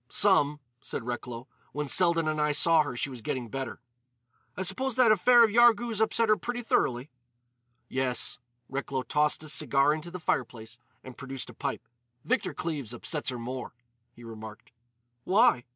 "Some," said Recklow. "When Selden and I saw her she was getting better." "I suppose that affair of Yarghouz upset her pretty thoroughly." "Yes." Recklow tossed his cigar into the fireplace and produced a pipe. "Victor Cleves upsets her more," he remarked. "Why?"